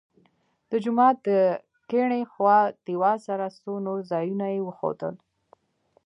د جومات د کیڼې خوا دیوال سره څو نور ځایونه یې وښودل.